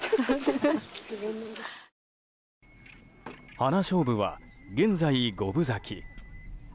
ハナショウブは現在、五分咲き。